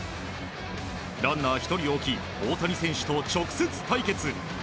ランナー１人置き大谷選手と直接対決。